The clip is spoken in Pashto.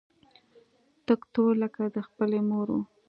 تک تور لکه د خپلې مور و.